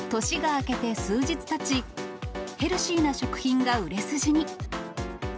年が明けて数日たち、ヘルシーな食品が売れ筋に。